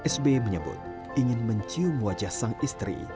sbi menyebut ingin mencium wajah sang istri